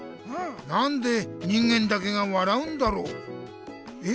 なんで人間だけが笑うんだろう？え？